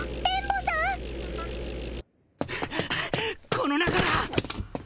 この中だ！